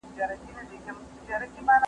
د وخت ارزښت پېژندل د بریا نښه ده.